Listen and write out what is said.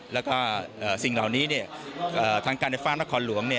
แล้วก็สิ่งเหล่านี้ทางการไฟฟ้านครหลวง